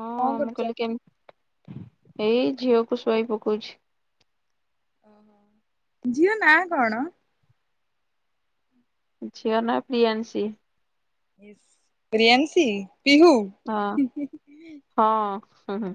ହଁ କଣ ମୁଁ କରୁଛ? କହିଲି କେମ୍ ଏଇ ଝିଅକୁ ଶୁଆଇ ପକଉଛି। ଓହୋ। ଝିଅ ନାଁ କଣ? ଝିଅ ନା ପ୍ରିୟାଂଶୀ। ପ୍ରିୟାଂଶୀ ପିହୁ। ହଁ ହଁ ହୁଁ ହୁଁ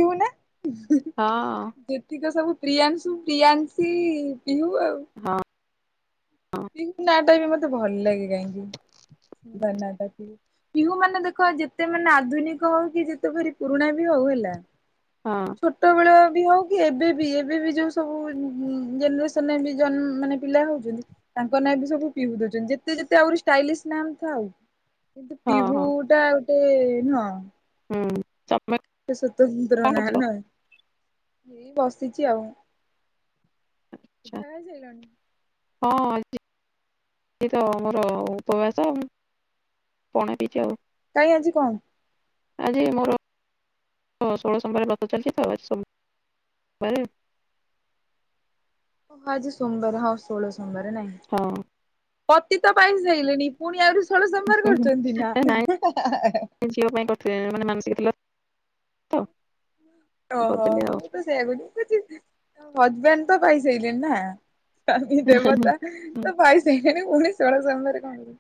[unintelligible] ହଁ ଯେତିକ ସବୁ ପ୍ରିୟାଂଶୁ ପ୍ରିୟଂଶୀ ପିହୁ ଆଉ। ହଁ। ହଁ ପିହୁ ନାଁଟା ବି ମତେ ଭଲ ଲାଗେ କାହିଁକି ସୁନ୍ଦର ନାଁଟା। ପିହୁ ମାନେ ଦେଖ ଯେତେ ମାନେ ଆଧୁନିକ ହଉ କି ଯେତେ ପୁରୁଣା ବି ହଉ ହେଲା ହଁ ଛୋଟବେଳେ ବି ହଉ କି ଏବେ ବି ଏବେ ବି ଯୋଉ ସବୁ ଜେନେରେସନରେ ବି ଜନ ମାନେ ପିଲା ହଉଛନ୍ତି ତାଙ୍କ ନାଁ ବି ସବୁ ପିହୁ ଦଉଛନ୍ତି। ଯେତେ ଯେତେ ଆହୁରି ଷ୍ଟାଇଲି ନା ଥାଉ। କିନ୍ତୁ ପିହୁ ହଁ ଟା ଗୋଟେ ନୁହଁ ହୁଁ। ତମେ ସ୍ୱତନ୍ତ୍ର କଣ କରୁଥିଲ? [unintelligible] ଏ ବସିଛି ଆଉ। ଆଛା ପିଠା ହେଇଶାଇଲାଣି? ହଁ। ଏଇତ ଆମର ଉପବାସ ଆଉ। ପଣା ପିଇଚି ଆଉ। କାଇଁ ଆଜି କଣ କି? ଆଜି ମୋର ଷୋଳ ସୋମବାର ବ୍ରତ ଚାଲିଛି ତ। [unintelligible] ଓ ଆଜି ସୋମବାର ହଁ ଷୋଳ ସୋମବାର ନାଇଁ। ହଁ ପତି ତ ପାଇଁ ସାଇଲେଣି ପୁଣି ଆହୁରି ଷୋଳ ସୋମବାର ହୁଁ ହୁଁ। କରୁଛନ୍ତି ଏ ନାଇଁ ନା। ଝିଅ ପାଇଁ କରିଥିଲି ମାନେ [inaudible] ଓହୋ କରିଦେଲି ଆଉ ମୁଁ ହୁଁ ତ ସେଇଆ କହୁଚି। ହଜବେଣ୍ଡ ତ ପାଇସାଇଲେଣି ନା। ଆ ଦେବତା ହୁଁ ହୁଁ। ତ ପାଇ ସାଇଲେଣି ପୁଣି ଷୋଳ ସୋମବାର କଣ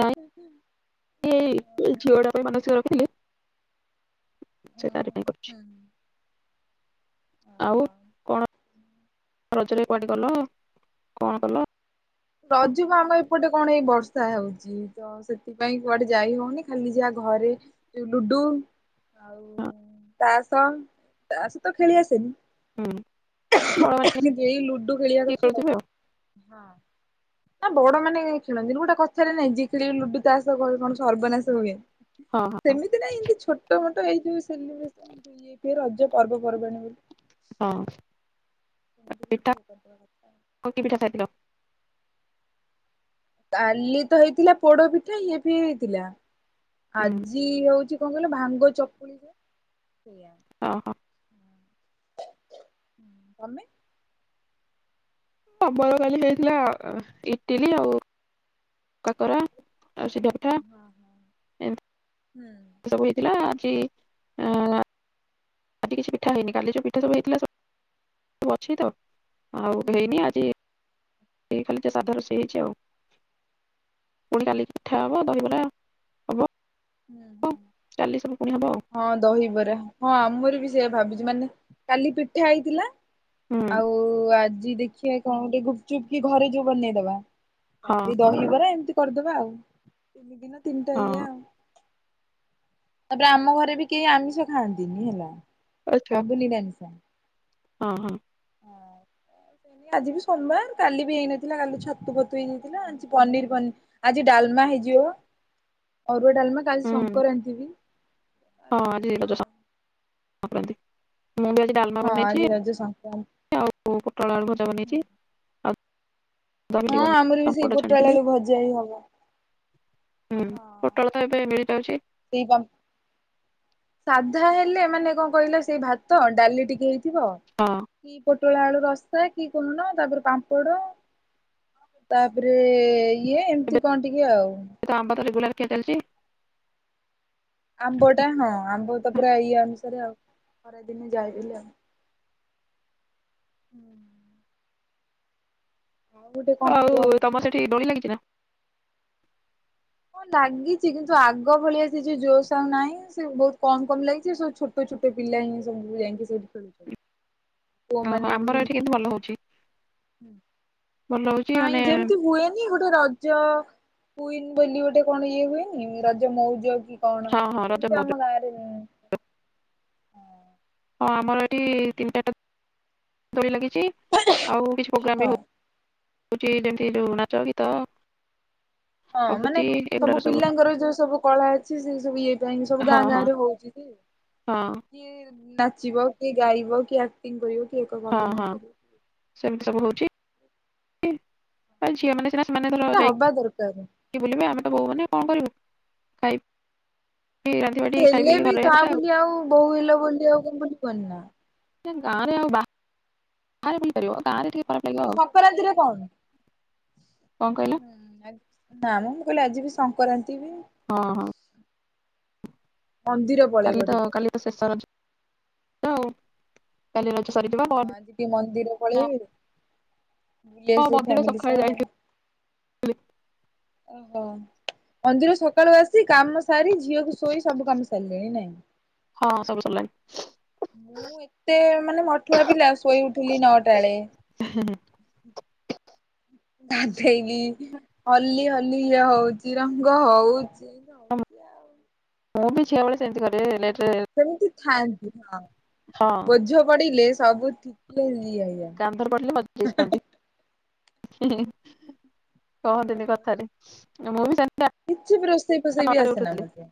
ନାଇଁ ଏଇ ଝିଅଟା ପାଇଁ ମାନସିକ ରଖିଥିଲି। ଉଁ ସେ ତାରି ହୁଁ ପାଇଁ କରୁଛି ହୁଁ ହୁଁ। ଅ ହ। ଆଉ କଣ ରଜରେ କୁଆଡେ ଗଲ? କଣ କଲ? ରଜକୁ ଆମ ଏପଟେ କଣ ଏଇ ବର୍ଷା ହଉଚି, ତ ସେଥିପାଇଁ କୁଆଡେ ଯାଇ ହଉନି ଖାଲି ଜା ଘରେ ଯୋଉ ଲୁଡୁ ଆଉ ହଁ ତାସ ତାସ ତ ଖେଳି ଆସେନି। ହୁଁ ବଡ ମାନେ ଏଇ ଲୁଡୁ ଖେଳିବା କିଏ କଥା ଆଉ, ଖେଳୁଥିବେ ହଁ। ନାଁ, ବଡମାନେ ଖେଳନ୍ତିନି, ଗୋଟେ କଥାରେ ନାଇଁ ଯିଏ ଖେଳିବ ଲୁଡୁ ତା ସହ କଣ କଣ ସର୍ବନାଶ ହୁଏ। ଆଉ ହଁ ସେମିତି ନାଇଁ ଇଁତି ଛୋଟ ମୋ ତ ଏଇ ଯୋଉ ସେଲିବ୍ରେସନ୍ ହୁଏ, ରଜ ପର୍ବପର୍ବାଣୀ ବୋଲି। ହଁ। ଏମିତି ଖାଲି ଏଇଟା ଇଏ କରିଦବା କଥା ଆଉ। [inaudible] କାଲି ତ ହେଇଥିଲା, ପୋଡପିଠା ଇଏ ଫିଏ ହେଇଥିଲା। ହୁଁ ଆଜି ହଉଛି କଣ କହିଲ? ଭାଙ୍ଗ ଚକୁଳି ହୁଏ। ଅ ହ। ହୁଁ, ତମେ [inaudible] କାଲି ହେଇଥିଲା। ଇଟିଲି ଆଉ କାକରା। ଆଉ ସିଧା ହଁ ପିଠା। ହଁ। ଏମ୍ ହୁଁ ଏ ସବୁ ହେଇଥିଲା, ଆଜି ଆଁ ଆଜି କିଛି ପିଠା ହେଇନି, କାଲି ଯୋଉ ପିଠା ସବୁ ହେଇଥିଲା ସବୁ, ସବୁ ଅଛି ତ! ଆଉ ହୁଁ ହେଇନି। ହୁଁ। ଆଜି ଖାଲି ସାଧା ରୋଷେଇ ହେଇଛି ଆଉ ପୁଣି କାଲିକି ପିଠା ହବ, ଓହୋ। ଦହିବରା ହବ। ହୁଁ ହୁଁ, କାଲି ସବୁ ପୁଣି ହବ ଆଉ ହଁ ଦହିବରା, ହଁ ଆମର ବି ବି ସେୟା ଭାବିଛି! ମାନେ କାଲି ପିଠା ହେଇଥିଲା, ହୁଁ ଆଉ ଆଜ୍ ଜି ଦେଖିବା କଣ ଗୋଟେ ଗୁପ୍ ଚୁପ୍ କି ଘରେ ଯୋଉ ବନେଇଦବା। ହଁ କାଲି ଦହିବରା ଏମତି କରିଦବା ଆଉ ତିନି ଦିନ ତିନିଟା ହଁ ଇଏ ଆଉ। ତାପରେ, ଆମ ଘରେ ବି କେହି ଆମିଷ ଖାଆନ୍ତିନି ହେଲା। ଆଚ୍ଛା ସବୁ ନିିରାମିଷ। ହଁ, ହଁ। ହଁ। ଆଜି ବି ସୋମବାର, କାଲି ବି ହେଇନଥିଲା। କାଲି ଛତୁ ଫତୁ ହେଇଯାଇଥିଲା, ଆଜି ପନିରି ଫନି, ଆଜି ଡାଲ ମା ହେଇଯିବ। ଅରୁଆ, ଡାଲମା କାଲି ହୁଁ ସଂକରାନ୍ତି ବି। ହଁ, ଆଜି ରଜସଂ ସଂକ୍ରାନ୍ତି। ମୁଁ ବି ଆଜି ହଁ, ଆଜି ରଜ ସଂକ୍ରାନ୍ତି। ବୋଉ ପୋଟଳଆଳୁ ଭଜା ବନେଇଛି। ଆଉ ଦହିଣ୍ଡି ହଁ, ବନେଇ ଆମର ବି ସେଇ ପାମ୍ପଡ଼ ଛାଣିଥିଲି ପୋଟଳଆଳୁ ଭଜା ହି ହବ। ହୁଁ ହଁ, ପୋଟଳ ତ ଏବେ ମିଳିଯାଉଛି ସେଇ ପାମ୍ପ ସାଧା ହେଲେ ମାନେ କଣ କହିଲ, ସେଇ ଭାତ, ଡାଲିଟିକେ ହେଇଥିବ ହଁ କି ଗୋ ପୋଟଳଆଳୁରସା କି କଣ? ତାପରେ ପାମ୍ପଡ଼। ତାପରେ ଇଏ ଏବେ ଏମିତି କଣ ଟିକେ ଆଉ। ତ ଆମ୍ବତ ରେଗୁଲାର ଖିଆ ଚାଲିଛି। ଆମ୍ବ ଟା ହଁ ଆମ୍ବ ତ ପୁରା ଇଏ ଅନୁସାରେ ଆଉ ଖରାଦିନେ ଯାଇିଲି ଆଉ। ହୁଁ, କଣ ଆଉ କୁହ? ତମ ସେଠି ଦୋଳି ଲାଗିଛି ନା। ହଁ ଲାଗିଚି। କିନ୍ତୁ ଆଗ ଭଳିଆ ସେ ଯଉ ଜୋସ୍ ଆଉ ନାହିଁ, ସେ ବହୁତ କମ୍ କମ୍ ଲାଗିଛି। ସବୁ ଛୋଟ ଛୋଟ ଛୋଟ ପିଲାହେଇଂ [unintelligible] ଯାଇଁକି ସେଇଠି ଖେୁଳୁଛ। ପୁଅ ଓହୋ ମାନେ ବି ଆମର ଏଠି କିନ୍ତୁ ଭଲ ହଉଛି ସେମତି ଭଲ ହଉଛି ନାଇଁ ମାନେ ଯେମିତି ହୁଏନି ଗୋଟେ ରଜ କୁଇନ ବୋଲି ଗୋଟେ କଣ ଇଏ ହୁଏନି। ରଜ ମଉଜ କି କଣ? ହଁ ହଁ ରଜ ସେମିତି ମଉଜ ଆମ ଗାଁରେ ନାହିଁ। ହଁ। ହଁ, ଆମର ଏଇଠି ତିନି ଚାରଟା ଦୋଳି ଲାଗିଛି। ଆଉ କିଛି ପ୍ରୋଗ୍ରାାମ ହଁ ବି ହଉ [inaudible] ନାଚଗୀତ। ହଁ, ମାନେ ସବୁ ପିଲାଙ୍କର ଯୋଉ ସବୁ କଳା ଅଛି, ସେ ସବୁ ଇଏ ପାଇଁ ସବୁ ହଁ ଗାଁ ଗାଁ ହଁ ରେ ହଉଛି। ହଁ କିଏ ନାଚିବ, କିଏ ଗାଇବ, କିଏ ଆକ୍ଟିଂ କରିବ, କିଏ ଏକକ ହଁ ଅଭିନୟ ହଁ କରିବ। ସେମିତି ସବୁ ହଉଛି। ଝିଅ ମାନେ ସିନା ସେମାନେ ଧର ସେଟା ହବା ଦରକାର। ଯାଇକି ବୁଲିବେ। ଆମେ ତ ବୋହୁ ମାନେ କଣ କରିବୁ? ଖାଇବ୍ ହେଲେ ବି ତା ବୋଲି ଆଉ ବୋଉ ହେଲ ବୋଲି, ଆଉ କଣ ବୁଲିବନି ନା? ଗାଁରେ ଆଉ ବା ବାହାରେ ମିପାରିବ ତୋର ସକ୍ରାନ୍ତିରେ କଣ? କଣ କହିଲ ନା ମ ମୁଁ କହିଲି ଆଜି ବି ସଂକ୍ରରାନ୍ତି ବି ହଁ ହଁ ମନ୍ଦିର କାଲି ପଳେଇବ ତ ଟିକେ। କାଲି ତ ଶେଷର ତ ଆଉ କାଲି ରଚ ସରିଯିବ ହଁ ଆଜି ଟିକେ ମନ୍ଦିର ପହରଦିନ ପଳେଇବି ବୁଲି ହଁ ଆସିବି ମନ୍ଦିର ଫ୍ୟାମିଲି ସହ ସଖାଲେ ଯାଇ ଥିଲି ଓହୋ ମନ୍ଦିର ସକାଳୁ ଆସି କାମ ସାରି ଝିଅ କୁ ସୋଇ ସବୁ କାମ ସାଲିନି ନାହିଁ ହଁ ସବୁ ସରିଲାଣି ମୁଁ ଏତେ ମାନେ ମଠୁଆ ପିଲା ଶୋଇ ଉଠିଲି ନଅଟା ଳେ ଗାଧେଇକି ହଲି ହଲି ଇଏ ହଉଛି ରଙ୍ଗ ହଉଛି ସେଇ ହଁ, ହଉଛି ଆଉ ମୁଁ ବିି ଝିଅବେଳେ ସେମିନ୍ତି କରିବି ଲେଟ୍ ରେ ସେମିତି ଥାଆନ୍ତି ହଁ ହଁ ବୋଝ ପଡିଲେ ସବୁ [unintelligible] କାନ୍ଧରେ ପଡ଼ିଲେ ମ ଦେଇସିନ୍ତି ହିଁ ହିଁ କହନ୍ତିିନି କଥାରେ ମୁଁ ବି ଜ କିଛି ପ୍ର ରୋଷେଇ ପସେଇ ବି ଆସେ ନା ମତେ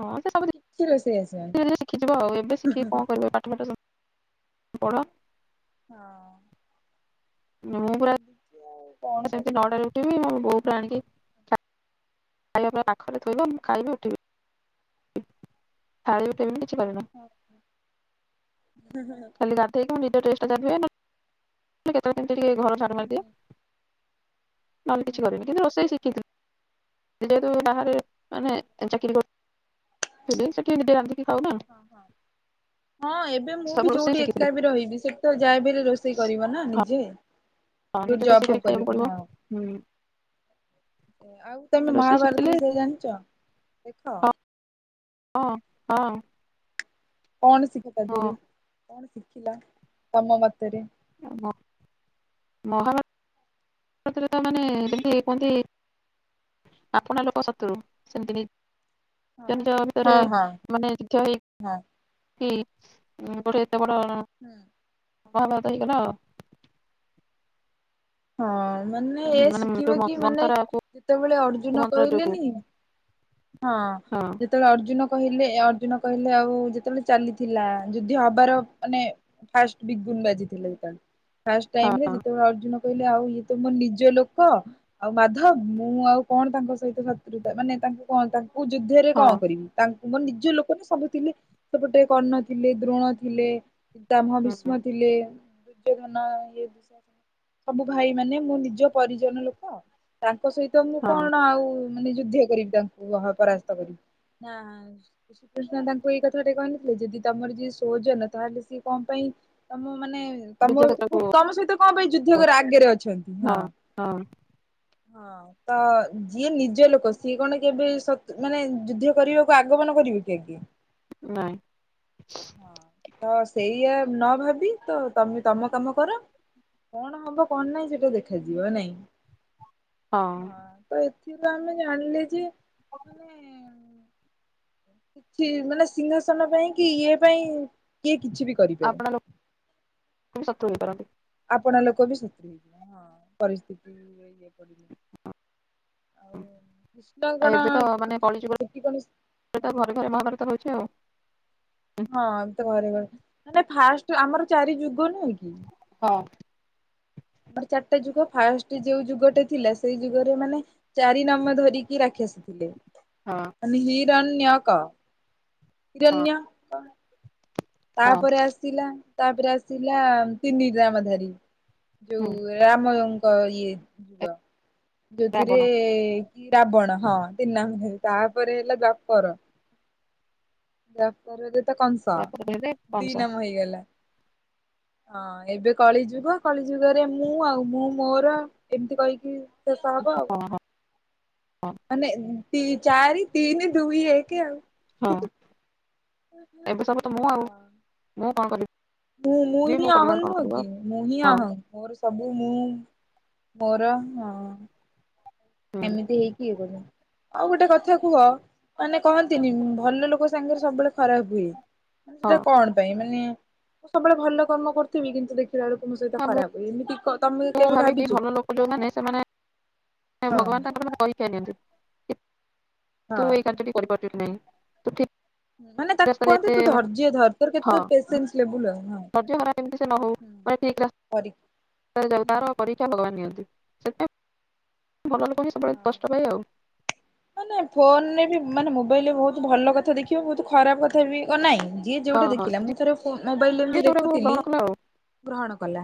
ହଁ କିଛି ରୋଷେଇ ଆସେନି ସେ ଶିଖିଯିବ ଆଉ ଏବେ ଶିଖିକି କଣ କରିବ ପାଠଠ ପଡ ହଁ ମୁଁ ପୁରା ଚାଲିଛି ଆଉ କଣ ସେମିତି କରିବି ନଅଟାରେ ଉଠିବି ମୁଁ ବୋଉ ପା ଆଣିକି ଖାଇବା ପାଇଁ ପାଖରେ ଥୋଇବ ମୁଁ ଖାଇବି ଉଠିବି ଥାଳି ବି ଉଠବିନେ ଆଚ୍ଛା ଖାଲି ଗାଧଇକି ମୁଁ ନିଜେ ଡ୍ରେସ ଟା ଯା ଧୁଏ ନ ହେଲେ କେତେବେଳେକେମିତି ଟିକେ ଘର ଝାଡୁ ହୁଁ ମାରିଦିଏ ନହେଲେ ହୁଁ କିଛି କରିବିନି କିନ୍ତୁ ରୋଷେଇ ଶିଖିଥିଲି ଯେହେତୁ ବାହାରେ ମାନେ ଚାକିର କର ସିଦିନେ ସେଠି ଆଇ ନି ରାନ୍ଧିକି ଖାଉ ନା ଏ ମୁଁ ବି ସବୁ ରୋଷେଇ ଯୋଉଠି ଶିଖିଥିଲି। ଏକା ବି ରହିବି ସେଠ ତ ଯାଏବ ରୋଷେଇ କରିବ ନା ନିଜେ ହଁ ଯୋଉଠି ନିଜେ ତ ଜବ୍ ସେ ଫବ୍ କରି କରିବ ଖାଇକୁ ପଡିବ ହଁ। ହୁଁ ଆଉ ତମେ ରୋଷେଇ ମହାଭାରତ ଶିଖିଥିଲେ ବିଷୟରେ ଜାଣିଛ ଦେଖ ହ ହଁ କଣ ଶିଖ ତା ହଁ ଦେରୁ କଣ ଶିଖିଲା ତମ ମତରେ ମ ମହଲ ମାନେ ଯେମତି କୁହନ୍ତି ଆପଣ ଲୋକ ଶତ୍ରୁ ସେମତି ହଁ ଭିତରେ ହଁ ମାନେ ଜ ହଁ। ହ ବଟେ ଏତେ ବଡ ହଁ ହ ବା ତଇକ ହଁ ମାନେ ଏ ଯୋଉ ଶିଖିବ କି ମାନେ ମନ୍ଥରା କୁ ଯେତେବେଳେ ଅର୍ଜୁନ ମନ୍ତ୍ର ଯୋଗୁ କହିଲେନି ହଁ ଯେତେବେଳେ ଅର୍ଜୁନ କହିଲେ ଅର୍ଜୁନ କହିଲେ ଆଉ ଯେତେବେଳେ ଚାଲିଥିଲା ଯୁଦ୍ଧ ହବାର ମାନେ ଫୁ ବା ହଁ। ଯେତ ଅଜୁନ କହିଲେ ଆଉ ଇଏ ତ ମୋ ନିଜ ଲୋକ ଆଉ ମାଧବ ମୁଁ ଆଉ କଣ ତାଙ୍କ ସହିତ ଶତ୍ରୁତା ମାନେ ତାଙ୍କୁ କଣ ତାଙ୍କୁ ଯୁଦ୍ଧରେ ହଁ କଣ କରିବି ତା ମୋର ନିଜ ଲୋକ ନା ସବୁ ଥିଲେ ସେପଟେ କର୍ଣ୍ଣ ଥିଲେ ଦ୍ରୋଣ ଥିଲେ ଶାମ ହୁଁ ଭୀଷ୍ମ ଥିଲେ ଦୁର୍ଯ୍ୟୋଧନ ଦ ସବୁ ଭାଇ ମାନେ ମୁଁ ନିଜ ପରିଜନ ଲୋକ ତାଙ୍କ ସହିତ ମୁଁ ହଁ କଣ ଆଉ ମାନେ ଯୁଦ୍ଧ କରିବି ତାଙ୍କୁ ପରାସ୍ତ କରିବି ନା ଶ୍ରୀକୃଷ୍ଣ ତାଙ୍କୁ ଏଇ କଥା ଟେ କହିନଥିଲେ ଯଦି ତମର ଯିଏ ସୌଜନ ତାହେଲେ ସିଏ କଣ ପାଇଁ ତମ ମାନେ ତମ ବିଜୟ ତାକୁ ତମ ସହିତ କଣ ପାଇଁ ଯୁଦ୍ଧକର ଆଗରେ ଅଛନ୍ତି, ହଁ। ହଁ ତ ଯିଏ ନିଜ ଲୋକ ସିଏ କଣ କେବେ ମାନେ ଯୁଦ୍ଧ କରିବାକୁ ଆଗମନ କରିବି [unintelligible] ନାଆଁ ତ ସେଇଆ ନ ଭାବି ତ ତମେ ତମ କାମ କର। କଣ ହବ କଣ ନାହିଁ ସେଟା ଦେଖାଯିବ ନାଇଁ ହଁ ତ। ଏଠ ତ ଆମେ ଜାଣିଲେ ଯେ ମାନେ କିଛି ମାନେ ସିଂହାସନ ପାଇଁ କି ଇଏ ପାଇଁ କି କିଛି ବି କରିପାରେ ତମର ଆପଣ ଲୋକ ବି ଶତ ହେଇଯିବ ହଁ ପରିସ୍ଥିତି ଇ ଆଉ କୃଷ୍ଣ କଣ [unintelligible] ପ୍ରତାପ ଘରେ ଘରେ ମହାଭାରତ ହୋଇଚି ଆଉ। ହୁଁ, ହଁ ତ ଘରେ ଘରେ ମ ଫାଷ୍ଟ ଆମର ଚାରି ଯୁଗ ନୁହେଁ କି? ହଁ ଆମର ଚାରିଟା ଯୁଗ ଫାଷ୍ଟ ଯୋଉ ଯୁଗଟେ ଥିଲା ସେଇ ଯୁଗରେ ମାନେ ଚାରି ନମ୍ବର ଧରିକି ରାଖି ହଁ [unintelligible] ହିରନ୍ୟକ ହଁ ହିରନ୍ୟ କଣ ହଁ ତାପରେ ଆସିଲା ତାପରେ ଆସିଲା ତିନି ରାମ [unintelligible] ଧାରୀ ହୁଁ ଯୋଉ ରା ଇଏ ଯୁଗ [unintelligible] ଯୋଉଥିରେ ରାବଣ ରାବଣ ହଁ [unintelligible] ତାପରେ ହେଲା ଦ୍ଵାପର। ଦ୍ଵାପର ରେ କଂସ ତାପରେ ହେଲେ ଦି କଂସ ନାମ ହେଇଗଲା। ହଁ ଏବେ କଳିଯୁଗ କଳିଯୁଗରେ ମୁଁ ଆଉ ମୁଁ ମୋର ଏମିତି କହିକି ଶେଷ ହେବ ଆଉ ହଁ ହଁ ହଁ ମାନେ ଦି ଚାରି ତିନି ଦୁଇ ଏକ ଆଉ। ହଁ। ଏବେ ସବୁ ତ ମୁଁ ଆଉ ହଁ। ମୁଁ କଣ କରିବି ମୁଁ ମୁଁ ହିଁ ମୋ ପରିବାର ହମ୍ କଣ ନୁ କରିବ କି ମୁଁ ହିିଁ ହଁ ହମ୍ ମୋର ସବୁ। ମୁଁ ମୁଁ ମୋର ହଁ। ହୁଁ ଏମିତି ହେଇକି ବୋଲି ଆଉ ଗୋଟେ କଥା କୁହ ମାନେ କହନ୍ତିନି ଭଲ ଲୋକ ସାଙ୍ଗରେ ସବୁବେଳେ ଖରାପ ହୁଏ। ହଁ ସେଟା କଣ ପାଇଁ ମାନେ ମୁଁ ସବୁବେଳେ ଭଲ କର୍ମ କରିୁଥିବି କିନ୍ତୁ ଦେଖ [unintelligible] ମୋ ସହିତ ଖରାପ୍ ହୁଏ କି କ ତମେ ମୁ କେବେ ଭାବିଛ [unintelligible] ଭଲ ଲୋକ ଯୋଉମାନେ ସେମାନେ ହଁ ଭଗବାନ ତାଙ୍କର ମାନେ ପରୀକ୍ଷା ନିଅନ୍ତି। ତୁ ହଁ ଏଇ କାର୍ଯ୍ୟଟି କରିପାରୁଚୁ ନାଁ ନାଇଁ ତୁ ଠିକ ମାନେ ତାକୁ ରାସ୍ତାରେ କୁହନ୍ତି ଏତେ ତୁ ଧଯ୍ୟ ଧ ତର ହଁ କେତେ ପେସେନ୍ସ ଲେବୁଲ ହଁ। ଧୈର୍ଯ୍ୟ ହରା କେମିତି ସେ ନ ହଉ କରିକି [unintelligible] ତାର ପରୀକ୍ଷା ଭଗବାନ ନିଅନ୍ତ। ଭଲ ଲୋକ ସବୁବେଳେ କଷ୍ଟ ପାଏ ଆଉ। ମାନେ ଫୋନରେ ମାନେ ମୋବାଇଲରେ ବୋହୁତ ଭଲ କଥା ଦେଖିବ ବୋହୁତ ଖରାପ କଥା ବି ନାହିଁ। ଯିଏ ଯୋଉଟା ହଁ ହଁ ଦେଖିଲା ମୁଁ ଥର ମୋବାଇଲରେ ଯିଏ ଏମିତି ଯୋଉଟାକୁ ଦେଖୁଥିଲି ଗ୍ରହଣ କଲା ଆଉ। ଗ୍ରହଣ କଲା।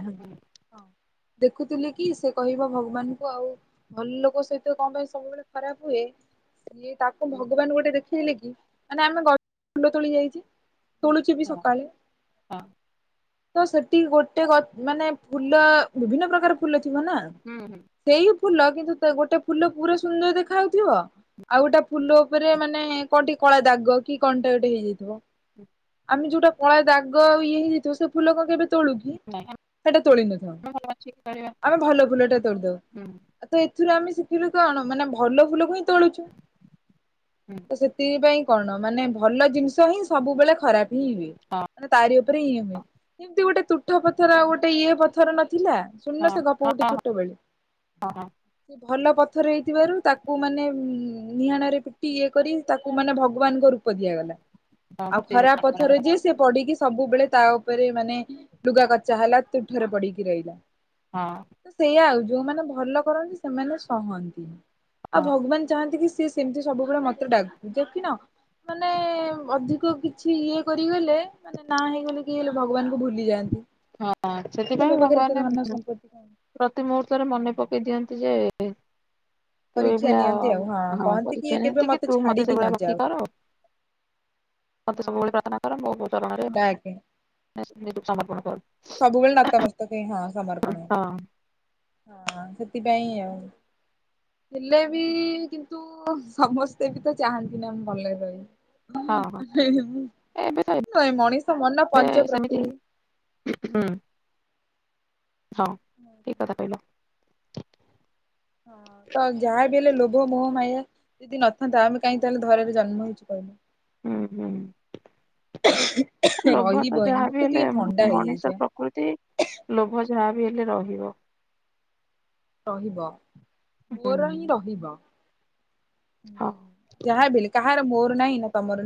ଦେଖୁଥିଲି କି ସେ କହିବ ଭଗବାନଙ୍କୁ ଆଉ ଭଲ ଲୋକ ସହି କଣ ପାଇଁ ସବୁବେଳେ ଖରାପ ହୁଏ ସିଏ ତାକୁ ଭଗବାନ ହଁ ଗୋଟେ ଦେଖ ହେଲେ କି ମାନେ ଆମେ ଗଛ ଫୁଲ ତୋଳି ଯାଇଚେ। ତୋଳୁଚି ବିି ସକାଳେ ହଁ ତ ସେଠି ଗୋଟେ ମାନେ ଫୁଲ ବିଭିନ୍ନ ପ୍ରକାର ଫୁଲ ଥିବ ନା। ହୁଁ ସେଇ ଫୁଲ କିନ୍ତୁ ଗୋଟେ ଫୁଲ ପୁରା ସୁନ୍ଦର ଦେଖାାଯାଉଥିବ ଆଉ ଗୋଟେ ଫୁଲ ଉପରେ ମାନେ କଣଟେ କଳା ଦାଗ କି କଣଟେ ଗୋଟେ ହେଇଯାଇଥିବ। ହୁଁ ଆମେ ଯୋଉଟା କଳ ଦାଗ ଇଏ ହେଇଯାଇଥିବ ସେ ଫୁଲ [unintelligible] କେବେ ତୋଳୁ କି? ନାଇଁ ସେଟା ତୋଳିି ନଥାଉ। ଆମେ ଭଲ ବାଛିକି କରିବା ଆମେ ଭଲ ଫୁଲୋଟା ତୋଳି ଦୋଉ। ହୁଁ ସେଥିଲୁ ଆମେ ଶିଖିଲୁ କଣ ମାନେ ଭଲ ଫୁଲକୁ ହିଁ ତୋଳୁଛୁ ହୁଁ ତ ସେଥିପାଇଁ। କଣ ମାନେ ଭଲ ଜିନିଷ ହିଁ ସବୁବେଳେ ଖରାପ ହିଁ ହୁଏ। ହଁ ମାନେ ତାରି ଉପରେ ଇଏ ହୁଏ ଏମିତି ଗୋଟେ ତୁଠ ପଥର ଗୋଟେ ଇଏ ପଥର ଥିଲା ଶୂନ ହଁ ସେ ଗପ ହଁ ଗୋଟେ ହଁ ଛୋଟବେଳେ। ହଁ ହଁ ଭଲ ପଥର ହେଇଥିବାରୁ ତାକୁ ମାନେ ନିହାଣରେ ପିଟି ଇଏ କରି ତାକୁ ମାନେ ଭଗବାନଙ୍କ ରୂପ ଦିଆଗଲା ଆଉ ମୂର୍ତ୍ତି ଖରା ନିର୍ମାଣ ପଥରେ କରାଗଲା। ଯେ ସେ ସବୁବେଳେ ତା ଉପରେ ମାନେ ଲୁଗା କଚା ହେଲା ତୁ ଠରେ ପଡିକି ରହିଲା। ହଁ ତ ସେଇଆା ଆଉ ଯୋଉମାନେ ଭଲ କରନ୍ତି ସେମାନେ ସହନ୍ତି। ଆଉ ହଁ ଭଗବାନ ଚାହାନ୍ତି କି ସିଏ ସେମିତି ସବୁବେଳେ ମତେ ଡାକୁ ଦେଖିନ। ମାନେ ଅଧିକ କିଛି ଇଏ କରିଗଲେ ମାନେ ନା ହେଇଗଲେ କି ହେଲେ ଭଗବାନ କ ଭୁଲି ଯାଆନ୍ତି। ହଁ ତ ସେଥିପାଇଁ ମୋ ପାଖରେ ଏତେ ଭଗବାନ ଧନ ସମ୍ପତ୍ତି କଣ? ପ୍ରତି ମୁହୂର୍ତ୍ତରେ ମନେ ପକେଇ ଦିଅନ୍ତି ଯେ [inaudible] ତୁ ପରୀକ୍ଷା ଏଇଭଳିଆ ନିଅନ୍ତି ଆଉ ହଁ କହନ୍ତି ପରୀକ୍ଷା ନିଅ କେବେ ନ୍ତି କି ତୁ ମତେ ଛାଡିକି ସେଭଳିଆ ଭକିର୍ତ୍ତି ନଯାଉ। କର। ମତେ ସବୁବେଳେ ପ୍ରାର୍ଥନା କର ମୋ ଡାକେ [unintelligible] ସମର୍ପଣ କର ସବୁବେଳେ ନତମସ୍ତକ ହଁ ସମର୍ପଣ। ହଁ ହଁ ସେଥିପାଇଁ ହଁ ଆଉ। ହେଲେ ବି କିନ୍ତୁ ସମସ୍ତେ ବି ତ ଚାହାନ୍ତି ନା ମୁ ଭଲରେ ରହି ହଁ ହଁ ନ ଏବେ ତ ମଣିଷ ମନ ନା ଏବେ ପଞ୍ଚ ସେମିତି ପ୍ରକୃତି। ହୁଁ ହଁ ଠିକ କଥା କହିଲ। ହଁ ତ ଯାହାବିହେଲେ ଲୋଭମୋହ ମାୟା। ଯଦି ନଥାନ୍ତା ଆମେ କାହିଁକ ତାହେଲେ ଧାରାରେ ଜନ୍ମ ହେଇଛି କହିବୁ? ହୁଁ ହୁଁ। ଲୋଭ ରହିବ ତ ହିଁ ଯାହାବି ମତେ ହେଲେ ଟିକେ ଥଣ୍ଡା ହେଇଯାଇଛି ମଣିଷ ପ୍ରକୃତି ଲୋଭ ଯାହା ବି ହେଲେ ରହିବ। ରହିବ ହୁଁ ମୋର ହିଁ ରହିବ। ହଁ। ଯାହା କାହାର ମୋର ନାହିଁ ନା ତମର